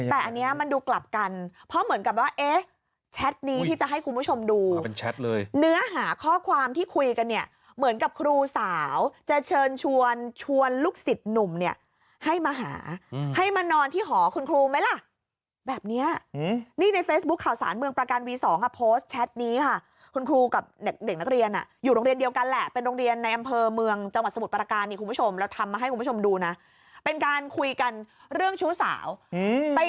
แต่อันนี้มันดูกลับกันเพราะเหมือนกับว่าแชทนี้ที่จะให้คุณผู้ชมดูเนื้อหาข้อความที่คุยกันเนี่ยเหมือนกับครูสาวจะเชิญชวนลูกศิษย์หนุ่มเนี่ยให้มาหาให้มานอนที่หอคุณครูไหมล่ะแบบนี้นี่ในเฟซบุ๊กข่าวสารเมืองปราการวี๒โพสต์แชทนี้ค่ะคุณครูกับเด็กนักเรียนอยู่โรงเรียนเดียวกันแหละเป